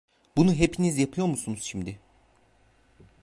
Bunu hepiniz yapıyor musunuz şimdi?